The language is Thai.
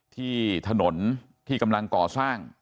ที่ถนนที่กำลังก่อสร้าง